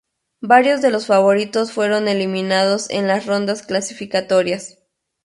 Varios de los favoritos fueron eliminados en las rondas clasificatorias.